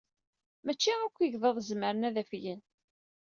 Maci akk igḍaḍ zemren ad afgen.